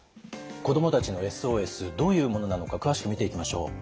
子どもたちのＳＯＳどういうものなのか詳しく見ていきましょう。